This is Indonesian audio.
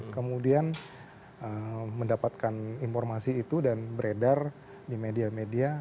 kemudian mendapatkan informasi itu dan beredar di media media